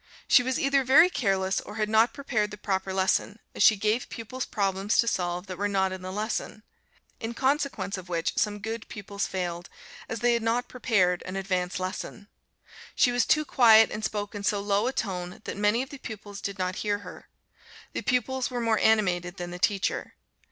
She was either very careless or had not prepared the proper lesson, as she gave pupils problems to solve that were not in the lesson; in consequence of which some good pupils failed, as they had not prepared an advance lesson. She was too quiet, and spoke in so low a tone that many of the pupils did not hear her. The pupils were more animated than the teacher.